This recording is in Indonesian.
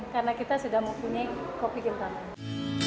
karena kita sudah mempunyai kopi kitamani